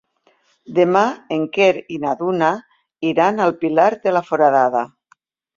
Demà en Quer i na Duna iran al Pilar de la Foradada.